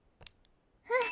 うん。